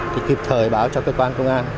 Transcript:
thì kịp thời báo cho cơ quan công an